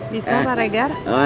bisa pak regar